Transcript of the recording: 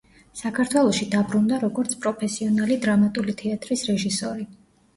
საქართველოში დაბრუნდა როგორც პროფესიონალი დრამატული თეატრის რეჟისორი.